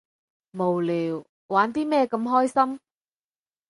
無聊，玩啲咩咁開心？